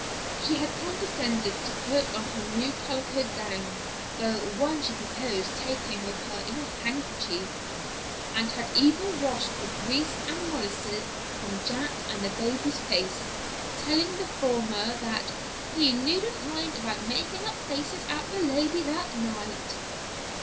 She had condescended to put on her new calico gown (the one she proposed taking with her in a "handkerchief") and had even washed the grease and molasses from Jack's and the baby's face, telling the former that "he needn't mind about making up faces at the lady that night."